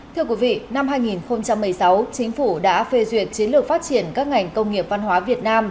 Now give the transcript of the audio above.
thưa quý vị năm hai nghìn một mươi sáu chính phủ đã phê duyệt chiến lược phát triển các ngành công nghiệp văn hóa việt nam